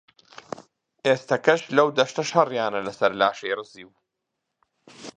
ئێستەکەش لەو دەشتە شەڕیانە لەسەر لاشەی ڕزیو